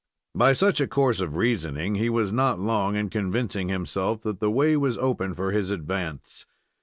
By such a course of reasoning, he was not long in convincing himself that the way was open for his advance.